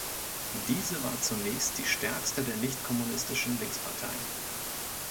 Diese war zunächst die stärkste der nichtkommunistischen Linksparteien.